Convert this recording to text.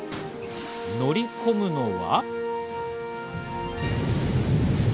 乗り込むのは。